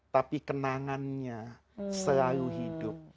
tapi kenangannya selalu hidup